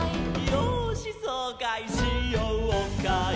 「よーしそうかいしようかい」